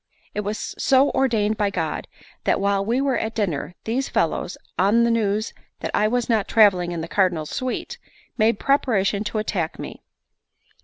It was so ordained by God that, while we were at dinner, these fellows, on the news that I was not travelling in the Cardinal's suite, made preparation to attack me.